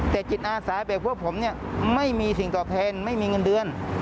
แต่จิตอาสาแบบพวกผมเนี่ยไม่มีสิ่งตอบแทนไม่มีเงินเดือน